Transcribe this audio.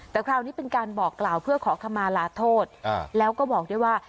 แต่คราวนี้เป็นการบอกกล่าวเพื่อขอขมาลาโทษแล้วก็บอกด้วยว่า